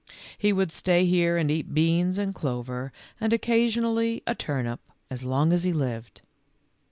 He would stay here and eat beans and clover, and occa sionally a turnip, as long as he lived.